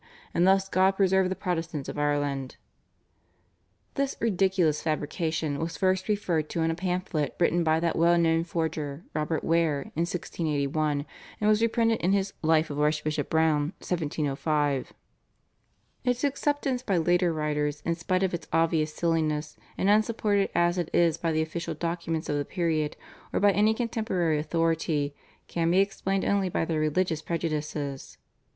And thus God preserved the Protestants of Ireland." This ridiculous fabrication was first referred to in a pamphlet written by that well known forger, Robert Ware, in 1681, and was reprinted in his "Life" of Archbishop Browne (1705). Its acceptance by later writers, in spite of its obvious silliness, and unsupported as it is by the official documents of the period, or by any contemporary authority, can be explained only by their religious prejudices.